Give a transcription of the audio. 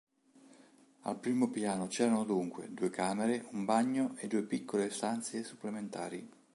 Al primo piano c'erano dunque due camere, un bagno e due piccole stanze supplementari.